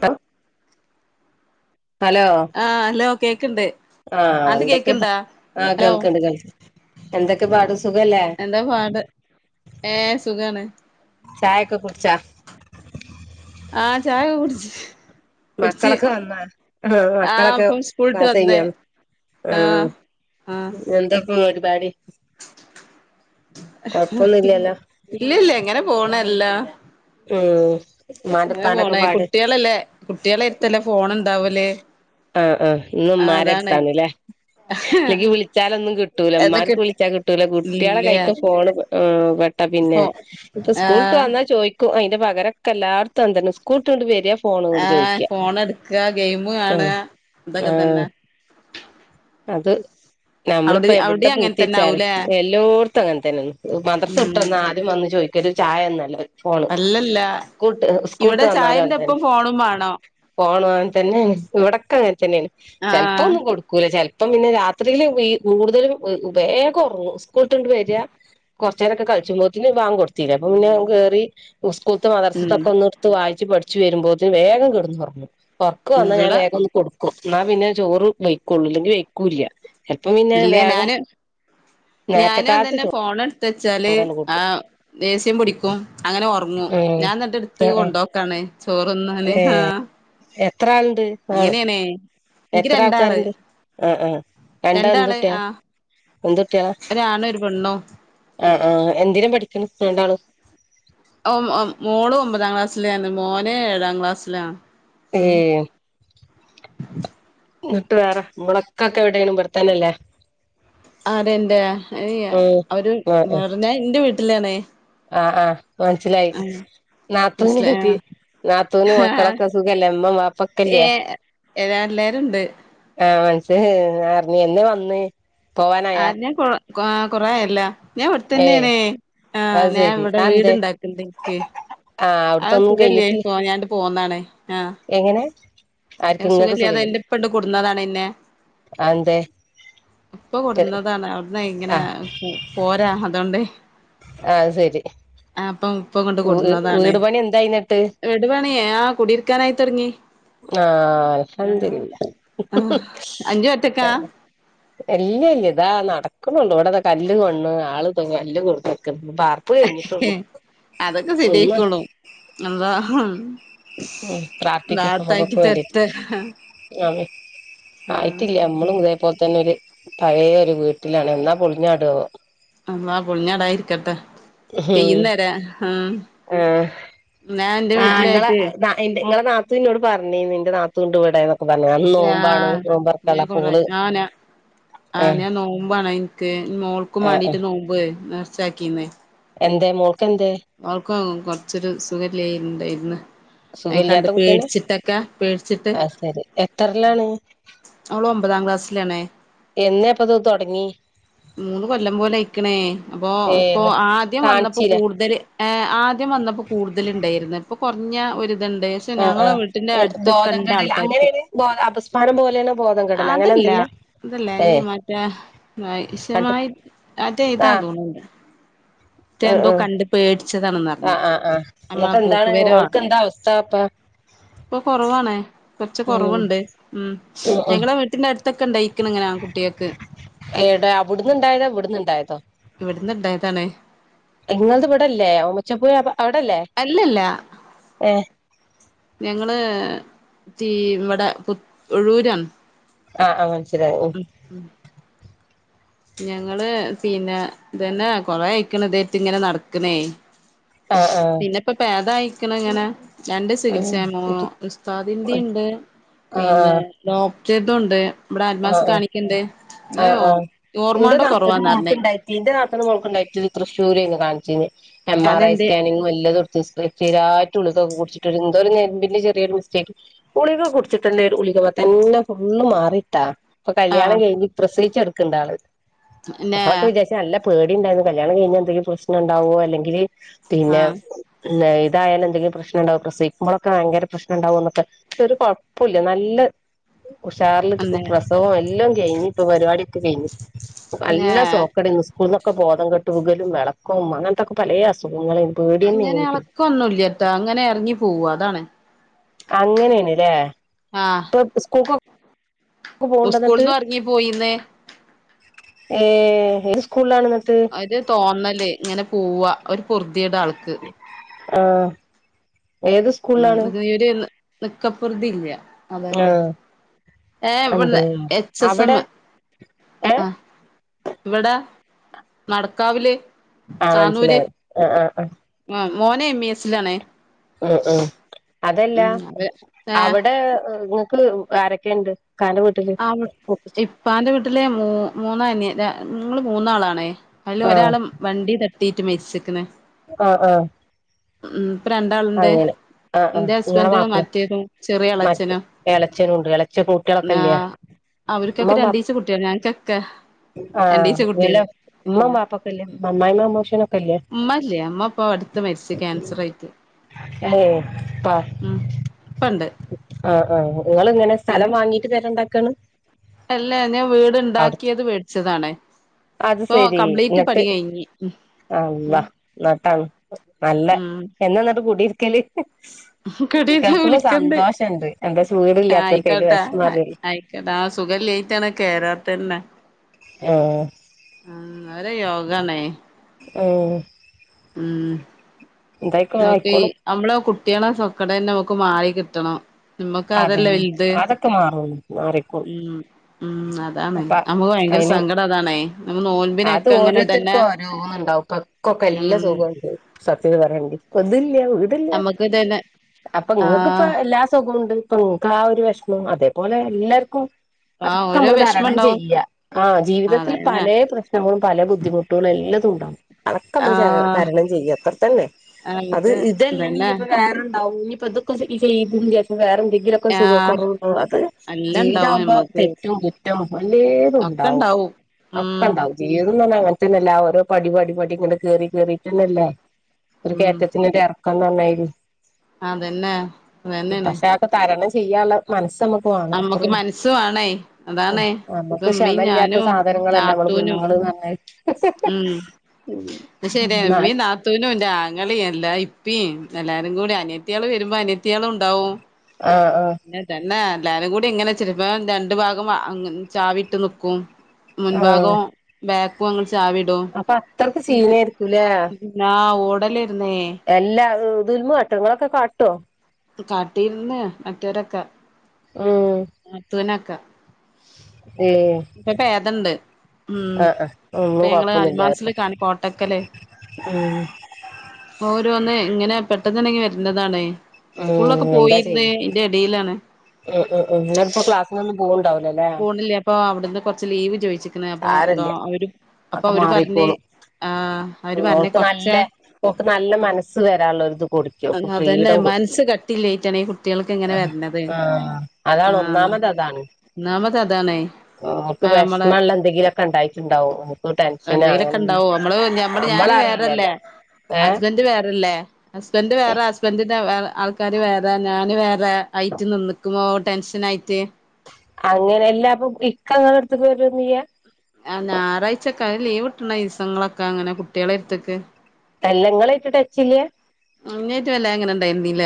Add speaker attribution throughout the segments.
Speaker 1: Hala hello
Speaker 2: ആഹ് hello കേക്ക്ണ്ട്
Speaker 1: ആഹ
Speaker 2: ആണ്ട്
Speaker 1: എന്തൊക്കെയ
Speaker 2: കേക്ക്ണ്ടാ
Speaker 1: ആഹ
Speaker 2: ഹലോ
Speaker 1: കേൾക്കണ്ട് കേൾക്ക എന്തൊക്കെ പാട സുഖല്ലേ
Speaker 2: ഏ സുഖാണ്
Speaker 1: ചായൊക്കെ കുടിച്ചാ
Speaker 2: ആഹ് ചായ ഉടജ
Speaker 1: മക്കളൊക്കെ വന്നാ ആഹ
Speaker 2: ആഹ്
Speaker 1: മക്കളൊക്കെ
Speaker 2: ഇപ്പം സ്കൂള്ട്ട്
Speaker 1: പസ്
Speaker 2: വന്ന്
Speaker 1: കഞ്ഞാണ് ആ
Speaker 2: ആഹ്
Speaker 1: എന്തപ്പ കൊഴപ്പൊന്നുംല്ലല്ലോ
Speaker 2: ഇല്ല ഇല്ല എങ്ങനെ പോണല്ലാ
Speaker 1: ആ
Speaker 2: പോണ കുട്ടികളല്ലേ കുട്ടികളായിടുത്തല്ലേ ഫോണ ഇണ്ടാവല്േ
Speaker 1: ആഹ ആഹ് ഇന്നുംമാരെടുത്താണ്ല്ലേ ഇല്ലെങ്കി വിളിച്ചാലൊന്നും കിട്ടൂല
Speaker 2: എന്ന് കി
Speaker 1: എ്മാർക്ക് വിളിച്ചാൽ കിട്ടൂല കുട്ടികളെ
Speaker 2: ഇല്ല്യ
Speaker 1: കഴിക്ക ഫോൺ പിന്നെ
Speaker 2: ഫോ
Speaker 1: ഇപ്പൊ സ്കൂളിട്ട്
Speaker 2: ആഹ്
Speaker 1: വന്നാ ചോദിക്കും അതിന്റെ പകരൊക്കെ എല്ലാവർത്തും തണം സ്കൂളട്ടൊണ്ട് വരിയാ
Speaker 2: ആഹ് ഫോൺ എടുക്കുക ഗെയിം
Speaker 1: ആഹ്
Speaker 2: കാണുക ഇതൊക്കെ തന്നെ
Speaker 1: ആഹ് അത്
Speaker 2: അവിടെ
Speaker 1: നമ്മളിപ്പോ എവിടെ
Speaker 2: അവിടിം അങ്ങനെ
Speaker 1: പൂത്തി
Speaker 2: തന്നെ
Speaker 1: വെച്ചാല്
Speaker 2: ആവൂലേ
Speaker 1: എല്ലായിടത്തും അങ്ങനെ തന്നെയന്ന് മദ്രസം
Speaker 2: ഉം
Speaker 1: ഇട്ടന്ന് ആരും വന്ന് ചോദിക്കു ഒരു ചായ ഒന്നല്ല ഫോണ്
Speaker 2: അല്ലല്ല
Speaker 1: സ്കൂട്ട സ്കൂട്ട
Speaker 2: ഇവിടെ
Speaker 1: വന്നാല അെ
Speaker 2: ചായന്റെപ്പം ഫോണും വാണം
Speaker 1: പോണ അൻ തന്നെയാണ് ഇവിടൊക്കെ അങ്ങനെ തന്നെയാണ് ചെിലപ്പോ
Speaker 2: ആഹ്
Speaker 1: ഒന്നും കൊടുക്കും ചെപ്പം പിന്നെ രാത്രിയില് ഈ കൂടുതലും ഉപയഗ ഉറങ്ങു സ്കൂളട്ടുണ്ട് വരിക കുറച്ച നേരൊക്കെ കളിച്ചുമ്പോത്തി വാം കൊടുത്തില്ല അപ്പൊ പിന്നെ
Speaker 2: ഉം
Speaker 1: കയറി സ്കൂത്ത്
Speaker 2: ഉം
Speaker 1: മദർസൊക്കെ ഒന്ന എടുത്ത് വായി പച്ച് പഠിച്ചച്ച് വരുമ്പോന് വേം കിടന്ന്റങ്ങുറക്ക വന്നാൽഞാൻ
Speaker 2: ഇവിടെ
Speaker 1: വേഗം ഒന്ന് കൊടുക്കും എന്നാ പിന്നെ ചോറ് വയ്ക്കുള്ളൂ അല്ലെങ്കിൽ വെക്കൂല്ല ചപ്പം പിന്നെ
Speaker 2: ഇല്ല
Speaker 1: വേഗം
Speaker 2: ഞാന്
Speaker 1: നേത്തെ കാലത്ത്ോ
Speaker 2: എ വെച്ചാല് ആ ദേസ്യം പിൊടിക്കും അങ്ങനെ ഉറങ്ങും
Speaker 1: ഉം
Speaker 2: ഞാൻ എന്നിട്ട് എടുത്ത്
Speaker 1: ആ ആ
Speaker 2: കൊണ്ടുപോക്കാണ് ചോറൊന്നാനെ ആഹ
Speaker 1: എത്രുണ്ട് ആള
Speaker 2: എനിക്ക്
Speaker 1: എത്ര
Speaker 2: രണ്ടാള്
Speaker 1: ആൾക്കാരുണ്ട് ആ ആഹ രണ്ടാ
Speaker 2: രണ്ടാള്
Speaker 1: എന്തുട്ടിയാ
Speaker 2: ആഹ്
Speaker 1: എന്തട്ടിയാ
Speaker 2: ഒരാണും ഒരു പെണ്ണും
Speaker 1: ആ ആ എന്തിനാ പഠിക്കണം എന്താണ്
Speaker 2: ഓ മോള് ഒമ്പതാം ക്ലാസ്സില ആാണ് മോന ഏഴാം ക്ലാസ്സിലാണ്
Speaker 1: ഏ
Speaker 2: ഉം
Speaker 1: ഇട്ട് വേറെ മളക്കൊക്കെ എവിടെനും വർത്താനല്ലേ
Speaker 2: ആത എന്റെറെ അവര് വേറെഞ്ഞഞാ എറെ വീട്ടിലാണേ
Speaker 1: ആഹ് ആഹ് മനസ്സിലായി
Speaker 2: മനസ്സിലാ
Speaker 1: നത്രന്നട്ട നാത്തൂന
Speaker 2: ആഹ്
Speaker 1: മക്കളൊക്കെ സുഖല്ലേ എമ്മ
Speaker 2: ഏ
Speaker 1: മാപ്പക്കല്ലേ
Speaker 2: എല്ലാരും ഉണ്ട്
Speaker 1: ആഹ് മനസ്സ് അറിഞ്ഞന്ന് വന്ന് പോവാനായാ
Speaker 2: ആഞാ കൊ കൊറല്ല ഞാൻ അവിടെ
Speaker 1: ഏ
Speaker 2: തന്നെയണേ ആ്
Speaker 1: അത്
Speaker 2: ഞാൻ
Speaker 1: ശരി
Speaker 2: ഇവിടെ
Speaker 1: അതെന്തേ
Speaker 2: വീട്ണ്ടാക്കണ്ടനിക്ക്
Speaker 1: ആ
Speaker 2: അഹ
Speaker 1: അവിടുത്തൊന്നും
Speaker 2: സുഖമല്ലേ
Speaker 1: കഴിഞ്ഞിട്ടില്ല
Speaker 2: പോ ഞാണ്ട് പോവുന്നന്നാണ്
Speaker 1: എങ്ങനെ
Speaker 2: ഞാൻ
Speaker 1: ആർക്ക്ും ഇങ്ങക്ക്
Speaker 2: സുഖല്ലാതെ
Speaker 1: സുഖില്ലേ
Speaker 2: എന്റെ ഇപ്പണ്ട് കൊടുന്നതാണ്
Speaker 1: അത
Speaker 2: ഇപ്പൊ കൊടുന്നതാണ് അവിടന്ന് ഇങ്ങനെ പോരാ അതൊണ്ട്േ
Speaker 1: അ ശരി
Speaker 2: ഇപ്പം കൊണ്ട് കൊടുന്നതാണ്
Speaker 1: വീട് പണി എന്തായിുന്നിട്ട്
Speaker 2: വീട് പണി ആ കുടിയിരിക്കാനായിത്തു ഇറങ്ങി.
Speaker 1: ആഹ്
Speaker 2: ആ അഞ്ചു
Speaker 1: [unintelligible]
Speaker 2: ഒറ്റക്കാ
Speaker 1: എല്ല ഇല്ല ഇതാ നടക്കുന്നുള്ളു ഇവിടെതാ കല്ല് കൊണ്ണ് ആള് ത കല്ല് കൊടുക്കുന്നു വാർപ്പ് കഴിഞ്ഞിട്ടുള്ളു
Speaker 2: അതൊക്കെ
Speaker 1: റൂ
Speaker 2: ശരിയായിക്കോളും അള്ളാ
Speaker 1: ഉം പ്രാർത്ഥിക്ക്
Speaker 2: റാഹത്താക്കി
Speaker 1: നമുക്കക്കെ വേണ്ടിട്ട്.
Speaker 2: തരട്ടെ
Speaker 1: [unintelligible]
Speaker 2: ആ
Speaker 1: ആയിട്ടില്ല നമ്മളും ഇതേപോലെ തന്നെ ഒര് പഴയ ഒരു വീട്ടിലാണ് എന്നാ പൊളിഞ്ഞാടോ?
Speaker 2: അള്ളാ പൊളിഞ്ഞാടാതിരിക്കട്ടെ.
Speaker 1: ഉം
Speaker 2: തെയ്യുന്നരാ ഉം
Speaker 1: ആ
Speaker 2: ഞാൻ എന്റെ വീട്ടിലായിട്ടേ
Speaker 1: നിങ്ങളുടെ നാത്തു എന്നോട് പറഞ്ഞിന്ന് നിന്റെ നാത്തു ഇണ്ട് ഇവടെ.
Speaker 2: ഞാ ഞാൻ കൊറെ
Speaker 1: ഓള്
Speaker 2: ഞാനാ
Speaker 1: ആ
Speaker 2: ആഹ് ഞാൻ നോമ്പാണെ എനിക്ക് മോൾക്കും
Speaker 1: ആ ആ
Speaker 2: വേണ്ടീട്ട് നോമ്പ് നേർച്ചാക്കിന്ന്.
Speaker 1: എന്തേ മോ
Speaker 2: അവൾക്ക് കൊറച്ചൊരു സുഖയില്ലാരിണ്ടായിന്. അയ് കണ്ട്
Speaker 1: സുഖല്ല്യാത്ത കുട്ടിയന്നെ
Speaker 2: പേടിച്ചിട്ടൊക്കെ പേടിച്ചിട്ട്.
Speaker 1: ആഹ് ശരി എത്രല്ലാണ്
Speaker 2: അവള് ഒമ്പതാം ക്ലാസ്സിലാണേ.
Speaker 1: എന്നാപ്പത് തുടങ്ങി?
Speaker 2: മൂന്ന് കൊല്ലം പോലെ ഇയിക്കണേ അപ്പൊ ഇപ്പൊ
Speaker 1: ഏന്ന്
Speaker 2: ആദ്യം വന്നപ്പോ
Speaker 1: കാണിച്ചീലെ
Speaker 2: കൂടുതൽ ആദ്യം വന്നപ്പോ കൂടുതലിണ്ടായിരുന്നു ഇപ്പൊ കുറഞ്ഞ ഒരു ണ്ട് ക്ഷേ
Speaker 1: ആഹ്
Speaker 2: ഞങ്ങ
Speaker 1: ആഹ്
Speaker 2: വീട്ടിന്റെ അടുത്തൊക്കെ
Speaker 1: ബോധം
Speaker 2: ഉണ്ട്
Speaker 1: കെടൽ
Speaker 2: ആൾക്കാർക്ക്,
Speaker 1: അങ്ങനെയാണ് ബോ അപസ്മാരം പോലെയാണ് ബോധം കെടൽ അങ്ങനെ
Speaker 2: അതല്ല ഇല്ല
Speaker 1: എന്തെങ്കിലാ
Speaker 2: ഇതല്ലേ ഈ
Speaker 1: ഏഹ്
Speaker 2: മറ്റേ
Speaker 1: കണ്ട്
Speaker 2: ശമായി മറ്റേ ഇതാ
Speaker 1: ആഹ്
Speaker 2: തോന്നുന്നിണ്ട്. മറ്റേ
Speaker 1: ആഹ്
Speaker 2: എന്തോ
Speaker 1: ആഹ്
Speaker 2: കണ്ട് പേടിച്ചതാണെന്ന് പറഞ്ഞ്
Speaker 1: ആഹ് ആഹ് ആഹ് എന്നിട്ട്
Speaker 2: നമ്മളെ പോക്ക്
Speaker 1: എന്താണ്
Speaker 2: വരവാ.
Speaker 1: ഓൾക്ക് എന്താ അവസ്ഥ അപ്പ
Speaker 2: ഇപ്പോ കുറവാണ് കൊറച്ച്
Speaker 1: ഉം
Speaker 2: കുറവുണ്ട് ഉം
Speaker 1: ഉം ഉം
Speaker 2: ഞങ്ങളെ വീട്ടിന്റെ അടുത്തൊക്കെ ഉണ്ടായിക്കണ ഇങ്ങനെ. കുട്ടികൾക്ക്.
Speaker 1: ഏട അവിടുന്നുണ്ടായതോ ഇവിടുന്നുണ്ടായതോ?
Speaker 2: ഇവിടുന്ന് ഇണ്ടായതാണേ.
Speaker 1: നിങ്ങളത് ഇവിടല്ലേ ഓമച്ചപ്പുഴ അവിടല്ലേ?
Speaker 2: അല്ലല്ല
Speaker 1: ഏഹ്
Speaker 2: ഞങ്ങള് തീ ഇവിടെ പു ഒഴൂരാണ്.
Speaker 1: ആ ആ
Speaker 2: ഉം ഉം ഞങ്ങള് പിന്നെ ഇതന്നെ കൊറേ ആയിക്കണ് ഇതായിട്ടിങ്ങനെ നടക്കണേ.
Speaker 1: ആഹ് ആഹ്
Speaker 2: പിന്നെപ്പൊ ഭേദ ആയിക്കണ ഇങ്ങനെ. രണ്ട്
Speaker 1: ഉം
Speaker 2: ചികിത്സയാണ് ഉസ്താദിന്റെ ഇണ്ട്
Speaker 1: ആഹ്
Speaker 2: പിന്നെ
Speaker 1: ആഹ്
Speaker 2: ഡോ ക്ടറുതുമുണ്ട് ഇവിടെ അന്മാസിൽ
Speaker 1: ആഹ്
Speaker 2: കാണിക്കണ്ണ്ട്
Speaker 1: ആഹ്
Speaker 2: അയ്യോ
Speaker 1: ആഹ് എന്റെ നാത്തൂന്റെ മോൾക്ക് ഉണ്ടായിട്ടുണ്ട് എന്റെ നാത്തൂന്റെ മോൾക്ക് ഇണ്ടായിട്ട് തൃശ്ശൂരാണ് കാണിച്ചിന്. എം ആർ ഐ
Speaker 2: അതെന്തേ
Speaker 1: സ്കാനിങ്ങും എല്ലാതും എടുത്ത് ഇപ്പോ സ്ഥിരായിട്ട് ഓള് തൊക്കെ കുടിച്ചിട്ട് എന്തോ പിന്നെ ചെറിയൊരു മിസ്റ്റേക്ക് ഗുളിക കുടിച്ചിട്ട് ഒരുളിക തന്നെ ഫുള്ള് മാറി. ട്ടാ ഇപ്പോ കല്യാണം
Speaker 2: ആഹ്
Speaker 1: കഴിഞ്ഞു പ്രസിവിച്ച് കെടക്കിണ്ട് ആള്
Speaker 2: പിന്നെ
Speaker 1: നമ്മളൊക്കെ വിചാരിച്ച് നല്ല പേടി ണ്ടായിരുന്ന് കല്യാണം കഴിഞ്ഞ് എന്തെങ്കിലും പ്രശ്നം ഉണ്ടാവോ അല്ലെങ്കിൽ പിന്നെ
Speaker 2: ആഹ്
Speaker 1: ഇ ഇതായാല എന്തെങ്കിലും പ്രശ്നണ്ടാവും പ്രസവിക്കുമ്പോളൊക്കെ ഭയങ്കര പ്രശ്നം ഉണ്ടാവും എന്നൊക്കെ പക്ഷേ ഒരു കുഴപ്പമില്ല നല്ല ഉഷാർ
Speaker 2: അന്നെ
Speaker 1: പ്രസവം എല്ലാം കഴിഞ്ഞ് ഇപ്പോ പരിപാടിയൊക്കെ കഴിഞ്ഞു
Speaker 2: പിന്നെ
Speaker 1: നല്ല സോക്കേടെനും. ഇന്നൊക്കെ ബോധം കെട്ട് വീകലും വിളക്കും അങ്ങനത്തൊക്കെ പലേ അസു
Speaker 2: അങ്ങനെ എളക്കൊന്നുല്ലത്താ അങ്ങനെ ഇറങ്ങി പോവും അതാണ്.
Speaker 1: അങ്ങനെയാണല്ലേ ഇപ്പോ സ്കൂൾക്കൊ
Speaker 2: ഉസ്കൂൾന്നും ഇറങ്ങി പോയിന്ന്.
Speaker 1: ഏഹ് ഏത് സ്കൂളിലാണ് എന്നി
Speaker 2: ഒരു തോന്നല് ഇങ്ങനെ പോവാ ഒരു പൊർതി കേടാ ആൾക്ക്.
Speaker 1: ആഹ് ഏത് സ്കൂളിലാണ്
Speaker 2: ഉ നീര് നിക്കപ്പറതി ഇല്ല അതന്നാ
Speaker 1: ആഹ്
Speaker 2: ഏ ഇവിന്ന്
Speaker 1: അന്തേ
Speaker 2: എച്ച് എസ് എം
Speaker 1: അവിടെ ഏ
Speaker 2: ആഹ ഇവിടെ നടക്കാവില്
Speaker 1: ആഹ് മനസ്സിലായി ആ ആ
Speaker 2: മോനെ എംി എസ്ിലാാണ്
Speaker 1: ഉ ഉ അതല്ല
Speaker 2: അവര് ഏ
Speaker 1: അവിടെ നിങ്ങക്ക് ആരൊക്കെുണ്ട്
Speaker 2: ആ ഇപ്പ എന്റെ വീട്ടില്െ മൂ മൂന്നന് നിങ്ങള് മൂന്നാളാണേ അതില് ഒരാളും വണ്ടി തട്ടീട്ട് മേച്ചിക്കുന്ന
Speaker 1: ആഹ ആഹ
Speaker 2: ഉ ഇപ്പൊ രണ്ടാളുണ്ട്
Speaker 1: ആഹ് ആഹ്
Speaker 2: എന്റെ
Speaker 1: ഇങ്ങളെ
Speaker 2: ഹസ്ബൻഡ
Speaker 1: മാപ്പളീം
Speaker 2: മറ്റേതോ
Speaker 1: മറ്റേ ഇളച്ചന ഉണ്ട് ഇളച്ച പൂട്ടികളൊക്കെ
Speaker 2: ആ
Speaker 1: ഇല്ലയാ
Speaker 2: അവർക്കൊക്കെ രണ്ടീച്ച കുട്ടിയാണ് ഞനക്കൊക്കെ
Speaker 1: ആഹ് വല്ല ഉമ്മ പാപ്പൊക്കെല്ലേ അമ്മായി മമ്മോഷനൊക്ക
Speaker 2: അമ്മല്ലേ അമ്മ അപ്പൊ അടുത്ത മരിച്ചു ക്യാൻസർ ആയിട്ട്
Speaker 1: ഏഹ പ
Speaker 2: ഉം ഇപ്പണ്ട്
Speaker 1: ആഹ ആ നിങ്ങ ഇങ്ങനെ സ്ഥലം
Speaker 2: പിന്നെ
Speaker 1: വാങ്ങീട്ട് തരണ്ടാക്കാണ്
Speaker 2: അല്ല ഞാൻ വീടുണ്ടാക്കിയത് മേടിച്ചതാണേ
Speaker 1: അത് ശെരി എന്നിട്ട്
Speaker 2: കഴിഞ്ഞ് ഉം
Speaker 1: അല്ല
Speaker 2: ഉം
Speaker 1: നട്ടാണ് നല്ല
Speaker 2: ഉം
Speaker 1: എന്നാ നട്ട് കൂടിരിക്കല്
Speaker 2: കടീന്ന്
Speaker 1: കേൾക്കുമ്പോ
Speaker 2: വിളിക്കണ്ട്
Speaker 1: സന്തോഷംുണ്ട് എന്റെ ചൂട് ഇല്ലാത്തവർക്ക്തി് വിഷംമാറ
Speaker 2: ലേറ്റ്ണ് കയറാത്തന്നെ
Speaker 1: ആഹ
Speaker 2: ോഗണ
Speaker 1: ഓഹ
Speaker 2: ഉം നോക്കെ
Speaker 1: ആയിക്കോളും
Speaker 2: നമ്മള കിട്ടിയ സൊക്കട തന്നെ നമുക്ക് മാറ കിട്ടണം നമ്മക്ക് അതല്ല
Speaker 1: അതന്നെ
Speaker 2: വലുത്
Speaker 1: അതൊക്കെ മാറും മാറിക്കോളും
Speaker 2: ഉ ഉ അതാണ്
Speaker 1: അപ്പ
Speaker 2: നമ്മുക്ക് ഭയങ്കര
Speaker 1: അയിന്
Speaker 2: സങ്കടം അതാണേ നമ്മ
Speaker 1: അത്
Speaker 2: നോൻമ്പിനെൊക്കെ അങ്ങനെ തന്നെ ഉം
Speaker 1: നല്ല സഖണ്ട് സത്യത പറയണ്ട് അതി വീടില്ല
Speaker 2: നമ്മക്ക് തന്നെ
Speaker 1: അപ്പൊ ഇങ്ങക്ക് ഇപ്പ
Speaker 2: ആഹ്
Speaker 1: എല്ലാ സുഖമുണ്ട് ഇപ്പക്ക് ആ ഒരു വിഷമം അതേപോലെ എല്ലാവർക്കും
Speaker 2: ആ ഓരോ വിഷമം
Speaker 1: ണം
Speaker 2: ഉണ്ടാവും
Speaker 1: ചെയ്യ ആ ജീവിതത്തിൽ
Speaker 2: അതന്നെ
Speaker 1: പല പ്രശ്നങ്ങളും പല ബുദ്ധിമുട്ടുകളും എല്ലാതുംണ്ടും അക്ക നമ്മ
Speaker 2: ആഹ്
Speaker 1: തരണം ചെയ്യും അത്ര തന്നെ അത്
Speaker 2: നമുക്ക്
Speaker 1: ഇതല്ലെങ്കിൽ
Speaker 2: ഇതന്നെ
Speaker 1: ഇനിപ്പോ വേറെണ്ടാവും അക്ക ശ ഇഈദുണ്ട്ി സ വര എന്തെങ്കിലൊക്കെ സുഖ
Speaker 2: ആഹ്
Speaker 1: കുറവ അത്
Speaker 2: എല്ലാം
Speaker 1: ജീവിതം
Speaker 2: ഇണ്ടാവും
Speaker 1: ആവുമ്പോ
Speaker 2: നമ്മക്ക്
Speaker 1: തെറ്റവും വല്ലേതും
Speaker 2: ഒക്കെ
Speaker 1: ഉണ്ടാവും
Speaker 2: ഇണ്ടാവും
Speaker 1: ഒക്കെ
Speaker 2: ഉം
Speaker 1: ഉണ്ടാവും അ അങ്ങനത്തെന്നെല്ല ഓരോ പടി പടി പടി ഇങ്ങ കേറി കേറിീട്ടന്നല്ല ഒരു
Speaker 2: ഉം
Speaker 1: കയറ്റത്തി
Speaker 2: അതന്നെ അതന്നെയാണ്
Speaker 1: പക്ഷെക്കെ തരണം ചെയ്യാനുള്ള മനസ് നമുക്ക് വേങ്ങണം അത്ര
Speaker 2: നമ്മക്ക് മനസ്സ് വേണേ അതാണേ ഇപ്പ
Speaker 1: നമ്മുക്ക്
Speaker 2: ഉമ്മീം
Speaker 1: ക്ഷമ ഇല്ലാത്ത
Speaker 2: ഞാനും
Speaker 1: സാധനങ്ങളല്ല നമ്മള്
Speaker 2: നാത്തൂനും
Speaker 1: കുഞ്ഞുങ്ങള് പറഞ്ഞ
Speaker 2: ശെരി എമ്മീ നാത്തൂനും്റെ ആങ്ങളിയ അല്ല എല്ലാരും കൂടി അനിയത്തിയാൾ വരുമ്പോ അനിയത്തിയാള ഉണ്ടാവും
Speaker 1: ആഹ് ആഹ്
Speaker 2: അെ തന്നെ എല്ലും കൂടി ഇങ്ങനെ ചെരിപ്പ രണ്ടു ഭാഗം ചാവിട്ട് നക്കും
Speaker 1: ആഹ്
Speaker 2: മുൻഭാഗവും ബാക്കുംങ്ങൾ ചാവിടോ
Speaker 1: അപ്പൊ അത്രക്ക് സീനായിരിക്കൂലേ
Speaker 2: ഓടല
Speaker 1: എല്ലാ ദൽമ കാട്ട നിങ്ങളൊക്കെ കാട്ടോ
Speaker 2: കാട്ടിരുന്ന് മറ്റരൊക്കെ
Speaker 1: ഉം
Speaker 2: ആ തുനക്ക
Speaker 1: ഏഹ്
Speaker 2: ഇപ്പൊ പേദണ്ട് ഉം
Speaker 1: ആഹ് ആഹ്
Speaker 2: ഇപ്പ
Speaker 1: ഒന്നും
Speaker 2: ഞങ്ങള് അൽമാസൽ കാണ കോട്ടക്കല്
Speaker 1: ആഹ
Speaker 2: ഓര ഒന്ന് ഇങ്ങനെ പെട്ടെന്നണ്ടെങ്കി വരണ്ടതാണേ സ്കൂളൊക്കെ
Speaker 1: ഉം എന്താ
Speaker 2: പോയിരുന്ന
Speaker 1: ചെയ്യ
Speaker 2: എറെ ഇടയിലാണ്
Speaker 1: ഉം ഉം ഉം ഇന്നിപ്പൊ ക്ലാസ്സിനൊന്നും പോവ്ണ്ടാവൂലല്ലേ
Speaker 2: ഫകൂണില്ലേ അപ്പൊ അവിടുന്ന് കൊറച്ച് ലീവ് ചോയിിച്ചിിക്കുന്ന അപ്പൊോ
Speaker 1: സാരല്ല
Speaker 2: അവര് അപ്പൊ
Speaker 1: ഒക്കെ
Speaker 2: അവര് പറഞ്ഞഞ്
Speaker 1: മാറിക്കോളും
Speaker 2: ആഹ അവര് പറഞ്ഞ
Speaker 1: ഓൾക്ക്
Speaker 2: കൊറച്ച
Speaker 1: നല്ല ഓക്ക് നല്ല മനസ്സ് വരാനുള്ള ഒരിത് കൊടുക്കും ഓക്ക്
Speaker 2: അതന്നെ
Speaker 1: ഫ്രീഡം കൊടുക്കും
Speaker 2: മനസ്സ് കട്ടില്ലായിട്ടാണ് കുട്ടികൾക്ക് ഇങ്ങനെ വരണത്
Speaker 1: ആഹ്
Speaker 2: ആ
Speaker 1: അതാണ് ഒന്നാമത് അതാണ്
Speaker 2: എന്ന നമ്മത്തെ അതാണേ
Speaker 1: ഓക്ക്
Speaker 2: ആ നമ്മളെ
Speaker 1: വിഷമള്ള എന്തെങ്കിലുമൊക്കെ ഉണ്ടായിട്ടുണ്ടാവും ഓക്ക് ടെൻഷന്
Speaker 2: എന്തെങ്കിലൊക്കെ
Speaker 1: അങ്ങനെ
Speaker 2: ഇണ്ടാവോ
Speaker 1: എന്തെങ്കിലും
Speaker 2: നമ്മള് നഞമ്മള് ഞാന്ും വേറെല്ലേ
Speaker 1: നമ്മളറിയില്ലല്ലോ ഏഹ്
Speaker 2: ഹസ്ബന്ഡറ് വേറെല്ലേ ഹസ്ബൻഡറ് വേറെ ഹസ്ബന്ഡ ഇതേ ആൾക്കാാര് വേറെ ഞൻ വേറെ ആയിട്ട് നിന്നക്കുമോ ടെൻഷൻ ആയിട്ട്
Speaker 1: അങ്ങനെ എല്ലാ അപ്പൊ ഇക്ക അങ്ങ എടുത്ത് പോരന്ന്യ
Speaker 2: ആ ഞായറാഴ്ചൊക്കെ ലീവ് ഇട്ടണ ദിവസങ്ങളൊക്കെ അങ്ങനെ കുട്ടികളെ അടുത്തേക്ക്
Speaker 1: കല്ലങ്ങളായിട്ട് ടച്ചില്ല
Speaker 2: ട്ട വല്ല എങ്ങനെ ഇണ്ടായിരുന്നീില്ല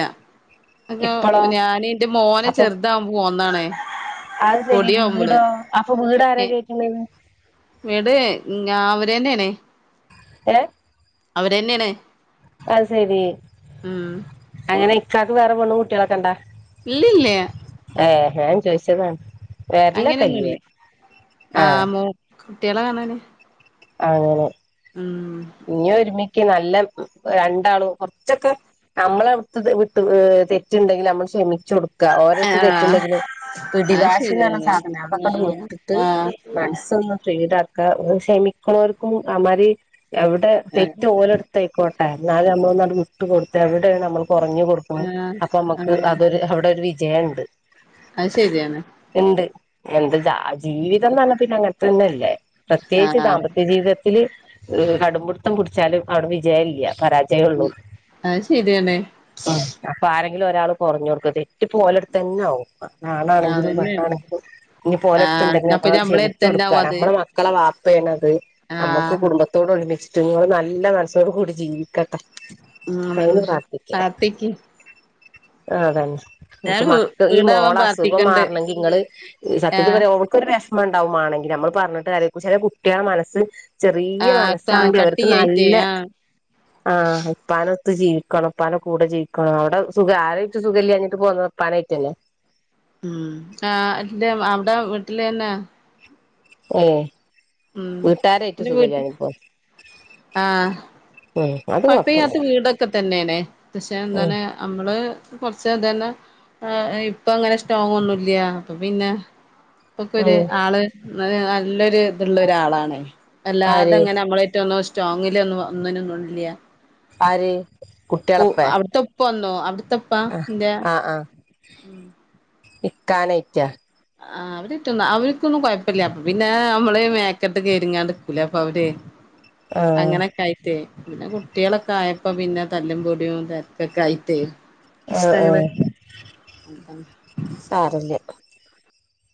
Speaker 1: ഇപ്പളോ
Speaker 2: അങ്ങ ഞാന് എന്റെ മോനെ
Speaker 1: അപ്പൊ
Speaker 2: ചെറുതാവകുമ്പോ പോന്നാണേ
Speaker 1: അത് ശെരി വീടോ അപ്പൊ വീട ആാര
Speaker 2: ഏ
Speaker 1: കേക്കണ
Speaker 2: വീട് ഞ അവര്ന്നെയണേ
Speaker 1: ഏ
Speaker 2: അവര്ന്നെയണ
Speaker 1: അത് ശരി അങ്ങനെ ഇക്കാലക്ക് വേറെ വെണ്ണും കുട്ടികളൊക്കെ കണ്ടാ
Speaker 2: ഇല്ലല്ലേ
Speaker 1: ഏ ാൻ ചോയിിച്ചതാണ് വേറെല്ല കല്
Speaker 2: അങ്ങനെയൊന്നുല്ല ആ
Speaker 1: ആഹ
Speaker 2: മോ കുട്ടികളെ കാണാനേ
Speaker 1: അങ്ങനെ ഇനി ഒരുമ നല്ല രണ്ടാളും കുറച്ചൊക്കെ നമ്മള അടു വിട്ടു തെറ്റുണ്ടെങ്കിൽ നമ്മൾ ക്ഷമിക്ക ുടുക്കുക ഓരോരുത്ത
Speaker 2: ആഹ്
Speaker 1: തെച്ചിുണ്ടെങ്കിലും
Speaker 2: അത്
Speaker 1: പിടിവാശിാണ്
Speaker 2: ശരിയാണ്
Speaker 1: സാധനം അതൊക്കെണ്ട് വിട്ടിട്ട്
Speaker 2: ആഹ് ആഹ്
Speaker 1: മനസ്സൊന്ന് ഫ്രീഡ സമിക്കർക്കും അറി എവിടെ തെറ്റ് ഓല എടുത്തായിക്കോട്ടെ എന്നാലും നമ്മന്ന വിട്ട് കൊടുത്തു എവിടൊണ് നമ്മൾ കുറഞ്ഞഞ് കൊടുക്ക
Speaker 2: ആഹ്
Speaker 1: അപ്പൊ
Speaker 2: ആഹ്
Speaker 1: നമ്മുക്ക്
Speaker 2: ആഹ്
Speaker 1: അതൊരു അവിടെ ഒരു വിജയം ഉണ്ട്
Speaker 2: അത് ശരിയാണ്
Speaker 1: എന്ത്ാ ജീവിതം പറഞ്ഞാൽ പിന്നെ അങ്ങനത്തെന്നല്ലേ പ്രത്യേകിച്ച്
Speaker 2: ആഹ്
Speaker 1: ദാമ്പ ജീവിതത്തിത്തില് കടുമ്പിടുത്തം കുടിച്ചാലും അവിടെ വിജയമില്ല പരാജയള്ളൂ
Speaker 2: അത് ശരിയാണ്
Speaker 1: അപ്പൊ ആ ഒരാൾ കുറഞ്ഞ കൊടുക്ക തെറ്റി പോലെ അടുത്ത് തന്നെ ആകും നാണാണെങ്കിലും
Speaker 2: അതന്നെയാണ്
Speaker 1: പെണ്ണാണെങ്കിലും ഇനി പോലെ
Speaker 2: ആഹ്
Speaker 1: അടുത്തുണ്ടെങ്കി
Speaker 2: അപ്പൊ
Speaker 1: നമ്മള
Speaker 2: ഞമ്മളെ
Speaker 1: ക്ഷമിച്ചു കൊടുക്കുക
Speaker 2: അടുത്തന്നാവും അത്
Speaker 1: നമ്മ മക്കളെ ഇപ്പണത് നമ്മുക്ക്
Speaker 2: ആഹ്
Speaker 1: കുടുംബത്തോട്ൊ ഒരുമിച്ചിട്ട് നിങ്ങൾ നല്ല മനസ്സോടു കൂടി ജീവിക്ക
Speaker 2: ഉം
Speaker 1: അതിന്
Speaker 2: അതന്നെ
Speaker 1: പ്രാർത്ഥിക്ക
Speaker 2: പ്രാർത്ഥിക്ക്
Speaker 1: ആ അതന്നെ
Speaker 2: ഞാൻ
Speaker 1: ക്ക് മക്ക ഈ മോള
Speaker 2: വീടാവാൻ
Speaker 1: അസുഖം
Speaker 2: പ്രാർത്ഥിക്കണ്ട്
Speaker 1: മാറണമെങ്കിൽ നിങ്ങള്
Speaker 2: ആഹ്
Speaker 1: സത്യത്തിൽപരെക്ക മ ഉണ്ടാവുവാണെങ്കി നമ്മ പറഞ്ഞിട്ട് കാര്യമില്ല ചില കുട്ടികള മനസ്സ് ചെറിയ
Speaker 2: ആഹ്
Speaker 1: മനസ്സാണെങ്ക അവർക്ക്
Speaker 2: കട്ടിയായിട്ടേ
Speaker 1: നല്ല
Speaker 2: ആഹ്
Speaker 1: ആഹ ഇപ്പാനും ത്ത് ജീവിക്കണംപ്പാന കൂടെ ജീവിക്കണം അവിടെ സുഖ ആായിട്ട് സുഖംല്ല അഞ്ഞിട്ട് പോകുന്നത് ഉപ്പാനായിട്ട്ന്നെ
Speaker 2: ഉം ആ അവിടെ വീട്ടില് തന്നെ
Speaker 1: ഏ
Speaker 2: ഉം
Speaker 1: വീട്ടാരായിട്ട സുഖമണിപ്പോ
Speaker 2: ആഹ പപ്പേ
Speaker 1: കൊഴപ്പല്ല
Speaker 2: കത്ത് വീടൊക്കെ തന്നെയനെ പക്ഷെ
Speaker 1: ഉം
Speaker 2: എന്താണ് നമ്മള് കുറച്ച അതുന്നെ ഇപ്പ അങ്ങനെ സ്ട്രോങ് ഒന്നുംല്ല അപ്പൊ പിന്നെ ഇപ്പൊക്കെ ഒരു
Speaker 1: ഉം
Speaker 2: ആള് നല്ലൊരു ഇതള്ള ഒരാളാണ്
Speaker 1: ആര്
Speaker 2: അല്ലാതെങ്ങനെ നമ്മള ഏറ്റോ ഒന്നും സ്ട്രോങല്ലു ഒന്നും ഒന്നിന ഒന്നും ഇല്ല
Speaker 1: ആര്
Speaker 2: ഓ
Speaker 1: കുട്ട്യാളെപ്പേ
Speaker 2: അവിടുത്തുപ്പ അവിടുത്തപ്പാ
Speaker 1: ആഹ്
Speaker 2: എന്തയാ
Speaker 1: ഇക്കാനയിക്ക
Speaker 2: ആ അവരിട്ടൊന്ന അവർക്കൊന്നും കുഴപ്പമില്ല അപ്പ പിന്നെ നമ്മള് മേക്കട്ട് കേറിങ്ങാണ്ടക്കൂലേ അപ്പൊ അവര്
Speaker 1: ആഹ്
Speaker 2: അങ്ങനൊക്കെയിട്ട് പിന്നെ കുട്ടികളൊക്കെ ആയപ്പോ പിന്നെ തല്ലുംപൊടിയും തിരക്കൊക്കെ ആയിട്ടേ
Speaker 1: ആഹ്
Speaker 2: ഇഷ്ടങ്ങള്
Speaker 1: ആഹ് സാരല്ല